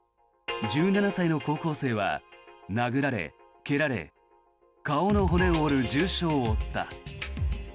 １７歳の高校生は殴られ、蹴られ顔の骨を折る重傷を負った。